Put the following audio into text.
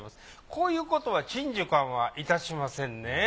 こういうことは沈壽官はいたしませんね。